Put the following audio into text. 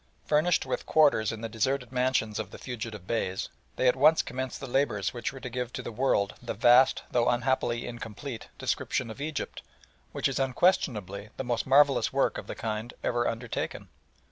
Furnished with quarters in the deserted mansions of the fugitive Beys, they at once commenced the labours which were to give to the world the vast, though unhappily incomplete, description of Egypt, which is unquestionably the most marvellous work of the kind ever undertaken.